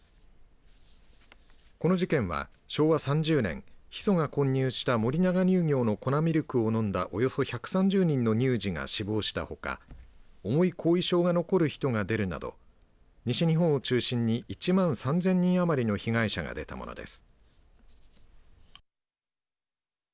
この事件は昭和３０年ヒ素が混入した森永乳業の粉ミルクを飲んだおよそ１３０人の乳児が死亡したほか重い後遺症が残る人が出るなど西日本を中心に１万３０００人余りの被害者が出たものです。